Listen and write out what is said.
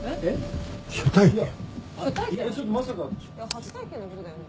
初体験のことだよね？